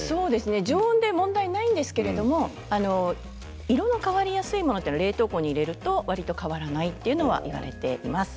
常温で問題ないんですが色の変わりやすいものは冷凍庫に入れると、わりと変わらないとは言われています。